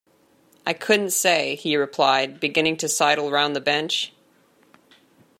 "I couldn't say," he replied, beginning to sidle round the bench.